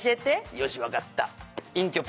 「よしわかった」